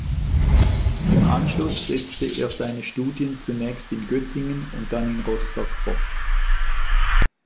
Im Anschluss setzte er seine Studien zunächst in Göttingen und dann in Rostock fort.